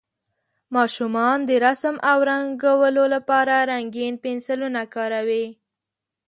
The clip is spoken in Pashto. ماشومان د رسم او رنګولو لپاره رنګین پنسلونه کاروي.